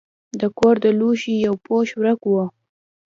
د کور د لوښو یو پوښ ورک و.